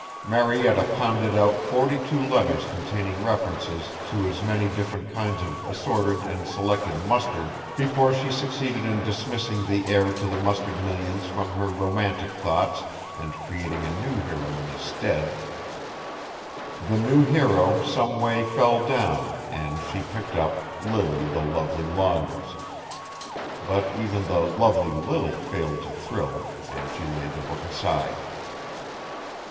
Marietta pounded out forty two letters containing references to as many different kinds of assorted and selected mustard before she succeeded in dismissing the heir to the mustard millions from her romantic thoughts and creating a new hero in his stead. The new hero some way fell down and she picked up "Lily the Lovely Laundress." But even the "Lovely Lily" failed to thrill and she laid the book aside.